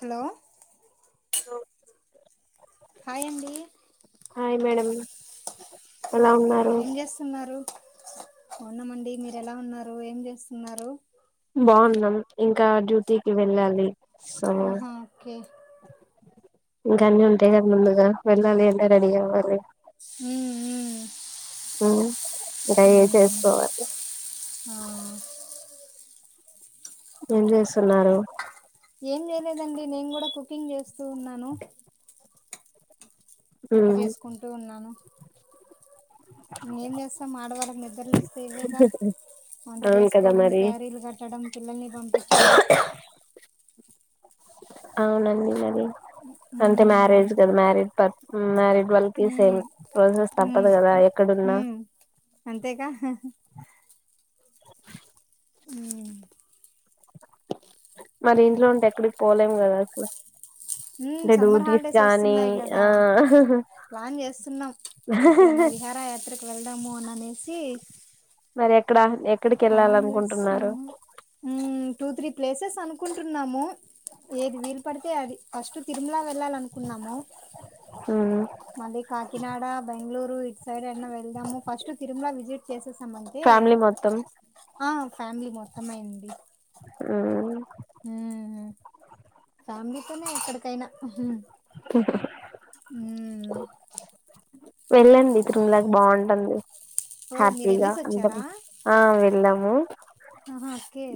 Hello hi అండి hi madam ఏం చేస్తున్నారు ఉన్నామండి మీరు ఎలా ఉన్నారు ఏం చేస్తున్నారు బాగున్నాం ఇంకా డ్యూటీకి వెళ్ళాలి సో ఆహా ఓకే ఇంకా అన్నీ ఉంటాయి కదా ముందుగా వెళ్ళాలి ఎలా రెడీ కావలి ఉమ్ ఉమ్ [unintelligible] ఉమ్ చేసుకోవాలి ఆ ఏం చేస్తున్నారు ఏం చేయలేదండి నేను కూడ కుకింగ్ చేస్తూ ఉన్నాను వంట ఉమ్, చేసుకుంటూ ఉన్నాను ఇంకేం చేస్తాం ఆడవాళ్ళు నిద్రలేస్ వంట అవును కదా చేసుకోవడం మరి క్యారీలు కట్టడం పిల్లల్ని పంపించడం అవునండి మరి అంటే ఉమ్ మ్యారెజ్ కదా మ్యారీడ్ ప మ్యారడ్ వాళ్ళకి సేల్ ప్రాసెస్ తప్పదు కదా ఎక్కడ హు అంతేగా ఉమ్ మరి ఇంట్లో ఉంటే ఎక్కడికి పోలేం కదా అసలు హ్మ్ అంటే సమ్మర్ డ్యూటీస్ హాలిడేస్ కానీ వస్తున్నాయి కదా ఆ ప్లాన్ చేస్తున్నాం ఎక్కడన్నా విహార యాత్రకు వెళ్దాము అని అనేసి మరి ఎక్కడ ఎ ప్లాన్ చేస్తున్నాము టూ త్రీ ప్లేసెస్ అనుకుంటున్నాము ఏది వీలు పడితే అది ఫస్ట్ తిరుమలా వెళ్ళాలనుకున్నాము మల్లి కాకినాడ బెంగళూరు ఇ సైడ్ అనా వెళ్దాము ఫస్ట్ తిరుమల విజిట్ చేసేసామంటే ఫ్యామిలీ మొత్తం ఆ ఫ్యామిలీ మొత్తమైంది హ్మ్మ్ హ్మ్మ్ ఫ్యామిలితోనే ఎక్కడికి అయిన వెళ్ళండి తిరుమలాకి బాగుం ఓ మీరు హ్యాపీగా వెళ్ళేసి అ వచ్చారా ఆ వెళ్దాము ఆ ఓకే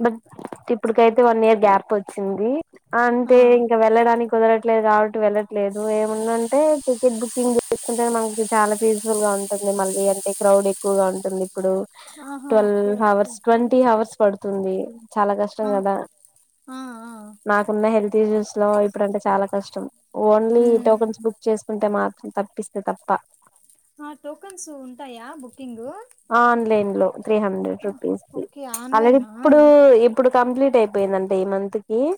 ఇప్పుడుకైతే వన్ ఇయర్ గ్యాప్ వచ్చింది ఆ! అంతే ఇంకా వెళ్ళడానికి కుదరట్లేదు కాబట్టి వెళ్లట్లేదు ఏముందంటే టికెట్ బుకింగ్ చేసుకుంటే మనకి చాలా పీస్ఫుల్ గా ఉంటుంది మళ్ళీ అంటే క్రౌడ్ ఎక్కువగా ఉంటుంది ఇప్పుడు ఆహా! Okay. Twelve okay. Hours twenty hours పడుతుంది చాలా కష్టం ఆ! కదా ఆ ఆ నాకున్న హెల్త్ ఇష్యూస్ లో ఇప్పుడుంటే చాలా కష్టం ఓన్లీ హ్మ్. టోకన్స్ బుక్ చేసుకుంటే మాత్రం తప్పిస్తే తప్ప ఆ టోకన్స్ ఉంటాయా బుకింగ్ ఆన్లైన్ లో త్రీ హండ్రెడ్ రూపీస్ది ఓకే. ఆల్రెడీ ఆన్‌లైనా? ఇప్పుడు ఇప్పుడు కంప్లీట్ అయిపోయింది అంటే ఈ మంత్ కి ఏ